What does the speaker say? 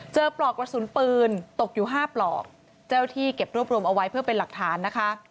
ปลอกกระสุนปืนตกอยู่ห้าปลอกเจ้าที่เก็บรวบรวมเอาไว้เพื่อเป็นหลักฐานนะคะ